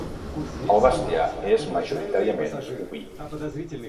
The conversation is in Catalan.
El bestiar és majoritàriament oví.